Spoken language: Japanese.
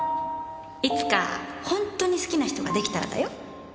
いつか本当に好きな人ができたらだよ。